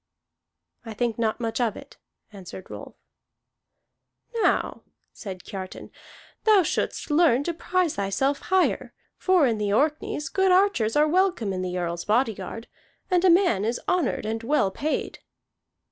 "I think not much of it," answered Rolf. "Now," said Kiartan, "thou shouldst learn to prize thyself higher. For in the Orkneys good archers are welcome in the Earl's body guard, and a man is honored and well paid."